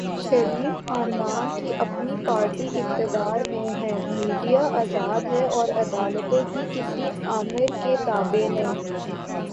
شریف خاندان کی اپنی پارٹی اقتدار میں ہے، میڈیا آزاد ہے اور عدالتیں بھی کسی آمر کے تابع نہیں۔